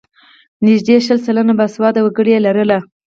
نږدې شل سلنه باسواده وګړي یې لرل.